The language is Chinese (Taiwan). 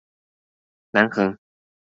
南橫